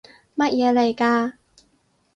乜嘢嚟㗎？